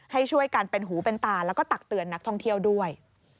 ให้ช่วยกันเป็นหูเป็นตาแล้วก็ตักเตือนนักท่องเที่ยวด้วย